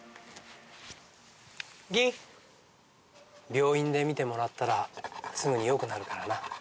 ぎん病院で診てもらったらすぐに良くなるからな。